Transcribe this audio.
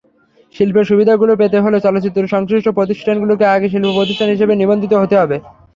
শিল্পের সুবিধাগুলো পেতে হলে চলচ্চিত্রসংশ্লিষ্ট প্রতিষ্ঠানগুলোকে আগে শিল্পপ্রতিষ্ঠান হিসেবে নিবন্ধিত হতে হবে।